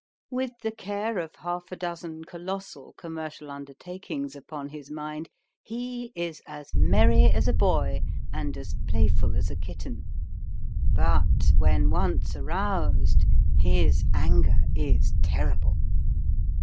With the care of half a dozen colossal commercial undertakings upon his mind, he is as merry as a boy and as playful as a kitten. But when once aroused his anger is terrible.